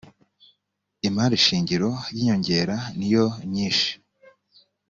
imari shingiro y ‘inyongera niyonyishi.